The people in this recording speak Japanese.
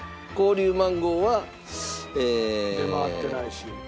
出回ってないし。